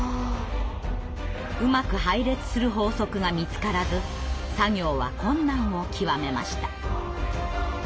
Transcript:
うまく配列する法則が見つからず作業は困難を極めました。